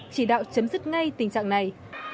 chỉ đạo chấm dứt ngay tình trạng này